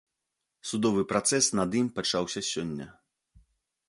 Судовы працэс над ім пачаўся сёння.